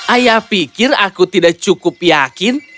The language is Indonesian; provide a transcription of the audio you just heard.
ayah pikir aku tidak cukup yakin